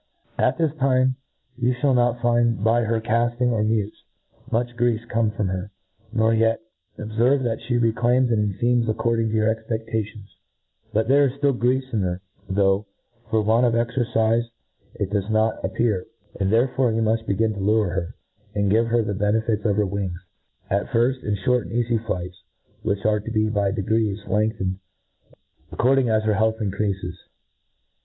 At this time,, you.lhall nol find by her cafting^ or mutes, much gireafe come from her j nor yet obferve that (he reclaims and enfeams according to your expe&ations* But there is ftill greafe in her, though, for want of exercife, it does not ap*^ pear i and therefore you muft begin to lure heir, and give her the benefit of her wings, at firft, in Ihort and cafy flights, which are to be by degrees lengthened, according as her health increafes.